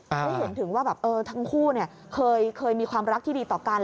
ให้เห็นถึงว่าแบบทั้งคู่เคยมีความรักที่ดีต่อกัน